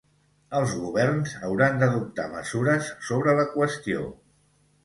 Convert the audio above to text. Els governs hauran d’adoptar mesures sobre la qüestió.